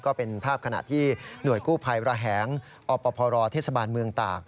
ก็เป็นภาพขนาดหน่วยกู้ภัยรหางอพทมต